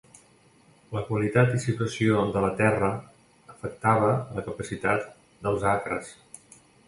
La qualitat i situació de la terra afectava la capacitat dels acres.